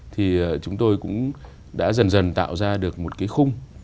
thì chúng tôi cũng đã dần dần tạo ra được một cái khung